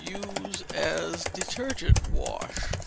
Use as detergent wash.